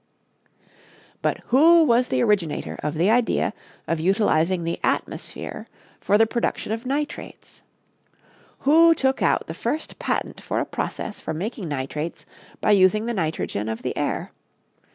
But who was the originator of the idea of utilizing the atmosphere for the production of nitrates? Who took out the first patent for a process for making nitrates by using the nitrogen of the air?